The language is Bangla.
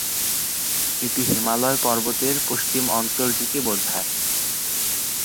এটি হিমালয় পর্বতের পশ্চিম অঞ্চলটিকে বোঝায়।